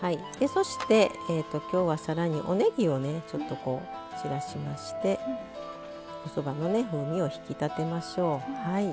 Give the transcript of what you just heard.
そしてきょうは、さらに、おねぎをちょっと散らしましておそばの風味を引き立てましょう。